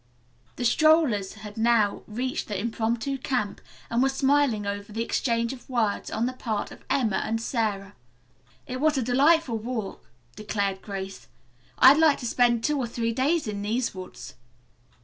The strollers had now reached the impromptu camp and were smiling over the exchange of words on the part of Emma and Sara. "It was a delightful walk," declared Grace. "I'd like to spend two or three days in these woods."